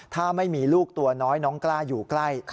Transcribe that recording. ถ้าไม่มีลูกตัวน้อยน้องกล้าอยู่ใกล้